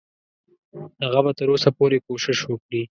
هغه به تر اوسه پورې کوشش وکړي.